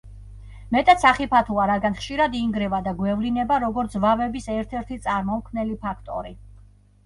მეტად სახიფათოა, რადგან ხშირად ინგრევა და გვევლინება როგორც ზვავების ერთ-ერთი წარმომქმნელი ფაქტორი.